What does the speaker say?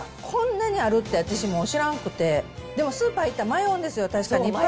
こんなにあるって、私も知らんくて、でもスーパー行ったら迷うんですよ、確かに。